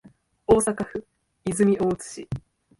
大阪府泉大津市